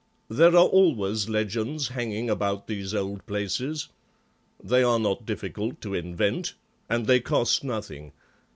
"There are always legends hanging about these old places. They are not difficult to invent and they cost nothing.